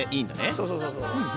そうそうそうそうそう。